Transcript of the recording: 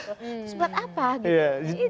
terus buat apa gitu